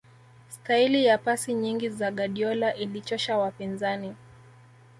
staili ya pasi nyingi za guardiola ilichosha wapinzani